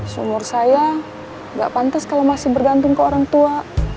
seumur saya nggak pantas kalau masih bergantung ke orang tua